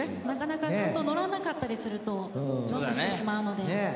なかなかちゃんと乗らなかったりするとロスしてしまうので。